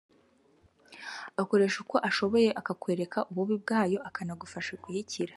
akoresha uko ashoboye akakwereka ububi bwayo akanagufasha kuyikira